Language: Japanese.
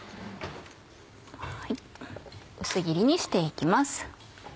薄切りにして行きます。